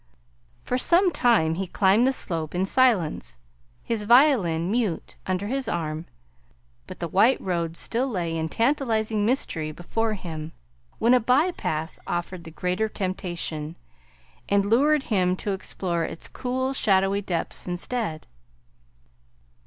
For some time he climbed the slope in silence, his violin, mute, under his arm; but the white road still lay in tantalizing mystery before him when a by path offered the greater temptation, and lured him to explore its cool shadowy depths instead.